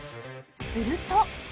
すると